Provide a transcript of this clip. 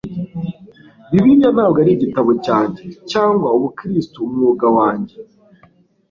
Bibiliya ntabwo ari igitabo cyanjye cyangwa ubukristu umwuga wanjye